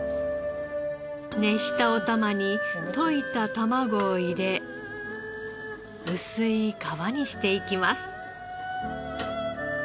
熱したおたまに溶いた卵を入れ薄い皮にしていきます。